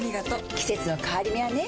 季節の変わり目はねうん。